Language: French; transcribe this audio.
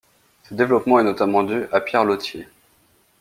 Ce développement est notamment dû à Pierre Lautier.